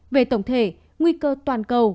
về tổng thể nguy cơ toàn cầu